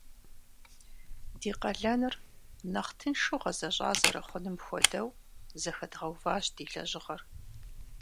Ди къалэныр нэхъ тыншу гъэзэщӏа зэрыхъуным хуэдэу зэхэдгъэуващ ди лэжьыгъэр.